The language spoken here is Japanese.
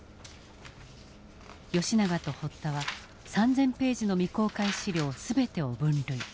永と堀田は３，０００ページの未公開資料全てを分類。